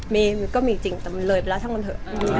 มันมีก็มีจริงแต่มันเลยไปแล้วทั้งเหรอ